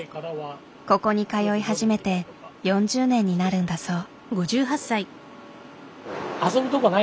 ここに通い始めて４０年になるんだそう。